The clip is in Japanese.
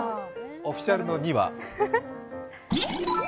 オフィシャルの２は？